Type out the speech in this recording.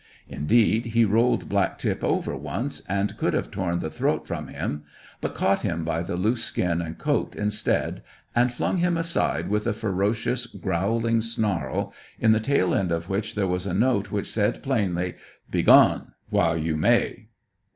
Indeed, he rolled Black tip over once, and could have torn the throat from him, but caught him by the loose skin and coat instead and flung him aside with a ferocious, growling snarl, in the tail end of which there was a note which said plainly, "Begone, while you may!"